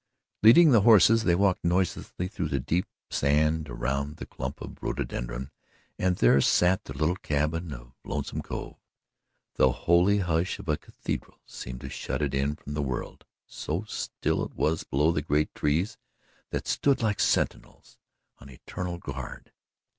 Leading the horses, they walked noiselessly through the deep sand around the clump of rhododendron, and there sat the little cabin of Lonesome Cove. The holy hush of a cathedral seemed to shut it in from the world, so still it was below the great trees that stood like sentinels on eternal guard.